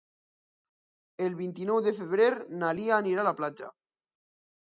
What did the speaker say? El vint-i-nou de febrer na Lia anirà a la platja.